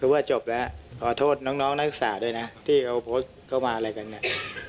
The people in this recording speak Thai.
คือว่าจบแล้วขอโทษน้องนักศึกษาด้วยนะที่เขาโพสต์เข้ามาอะไรกันเนี่ย